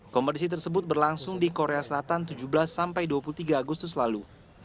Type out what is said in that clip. kompetisi tersebut berlangsung di korea selatan tujuh belas sampai dua puluh tiga agustus lalu